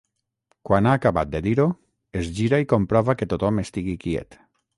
Quan ha acabat de dir-ho, es gira i comprova que tothom estigui quiet.